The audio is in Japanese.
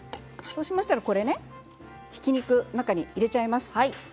そしたらひき肉の中に入れちゃいます。